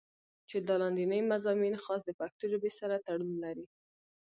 چې دا لانديني مضامين خاص د پښتو ژبې سره تړون لري